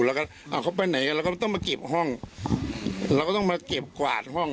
แล้วก็อ่าเขาไปไหนกันเราก็ต้องมาเก็บห้องเราก็ต้องมาเก็บกวาดห้อง